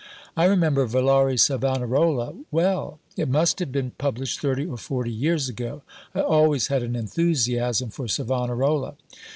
I remember Villari's Savonarola well: it must have been published 30 or 40 years ago. (I always had an enthusiasm for Savonarola.)